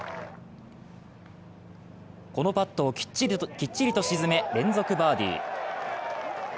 このパットをきっちりと沈め連続バーディー。